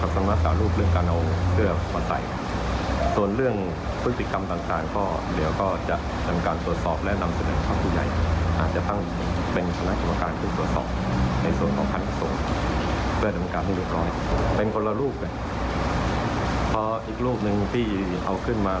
สุดยอดนะ